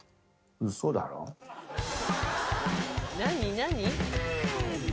何？